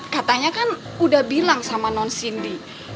katanya kan udah bilang sama non cindy